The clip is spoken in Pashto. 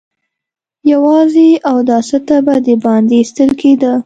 يواځې اوداسه ته به د باندې ايستل کېده.